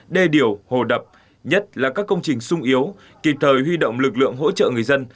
đê điều hồ đập nhất là các công trình sung yếu kịp thời huy động lực lượng hỗ trợ người dân